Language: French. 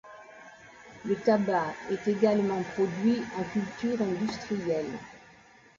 Le tabac est également produit en culture industrielle.